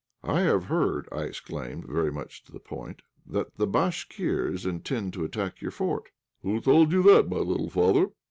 "I have heard," I exclaimed (very much to the point), "that the Bashkirs intend to attack your fort." "Who told you that, my little father?"